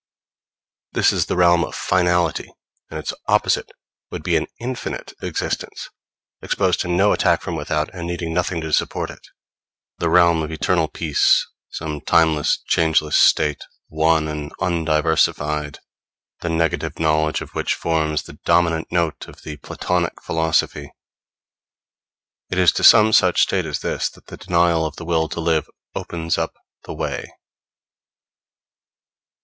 This is the realm of finality; and its opposite would be an infinite existence, exposed to no attack from without, and needing nothing to support it; [Greek: haei hosautos dn], the realm of eternal peace; [Greek: oute giguomenon oute apollumenon], some timeless, changeless state, one and undiversified; the negative knowledge of which forms the dominant note of the Platonic philosophy. It is to some such state as this that the denial of the will to live opens up the way.